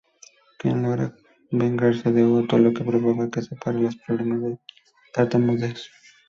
Ken logra vengarse de Otto, lo que provoca que supere sus problemas de tartamudez.